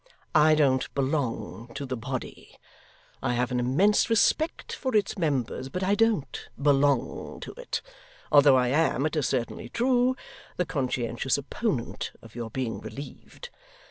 I don't belong to the body; I have an immense respect for its members, but I don't belong to it; although I am, it is certainly true, the conscientious opponent of your being relieved.